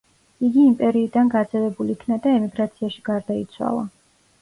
იგი იმპერიიდან გაძევებულ იქნა და ემიგრაციაში გარდაიცვალა.